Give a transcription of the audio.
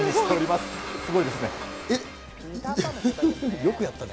すごいですよね。